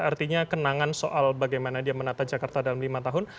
artinya kenangan soal bagaimana dia menata jakarta dalam lima tahun